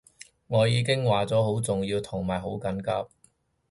我已經話咗好重要同埋好緊急